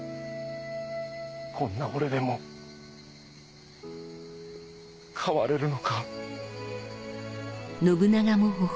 こんな俺でも変われるのか？